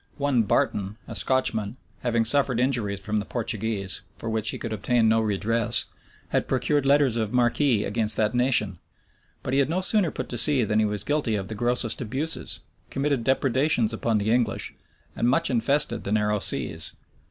One Barton, a Scotchman, having suffered injuries from the Portuguese, for which he could obtain no redress, had procured letters of marque against that nation; but he had no sooner put to sea than he was guilty of the grossest abuses, committed depredations upon the English, and much infested the narrow seas.